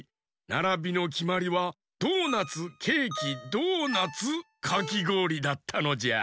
ならびのきまりはドーナツケーキドーナツかきごおりだったのじゃ。